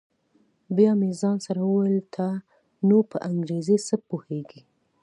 بيا مې ځان سره وويل ته نو په انګريزۍ څه پوهېږې.